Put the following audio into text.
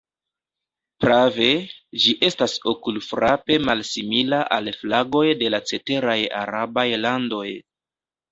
Prave, ĝi estas okulfrape malsimila al flagoj de la ceteraj arabaj landoj.